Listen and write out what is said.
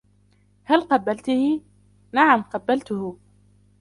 " هل قبلته ؟"" نعم قبلته ".